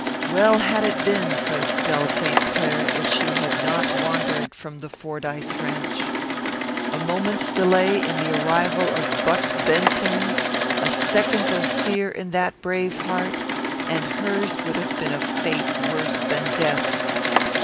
Well had it been for Estelle St. Clair if she had not wandered from the Fordyce ranch. A moment's delay in the arrival of Buck Benson, a second of fear in that brave heart, and hers would have been a fate worse than death.